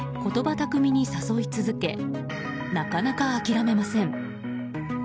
巧みに誘い続けなかなか諦めません。